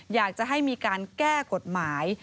อยากจะให้มีการแก้กฎหมาย